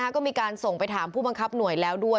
ก็มีการส่งไปถามผู้บังคับหน่วยแล้วด้วย